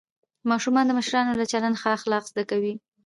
ماشومان د مشرانو له چلنده ښه اخلاق زده کوي